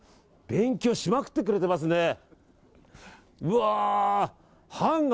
勉強しまくってくれてますね。